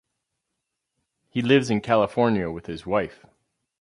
He lives in California with his wife.